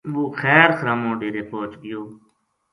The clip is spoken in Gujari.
وہ خیر خرامو ڈیرے پوہچ گیو